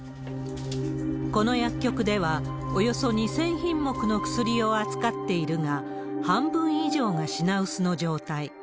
この薬局では、およそ２０００品目の薬を扱っているが、半分以上が品薄の状態。